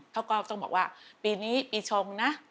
เขาก็ต้องบอกว่าปีนี้ปีชงนะ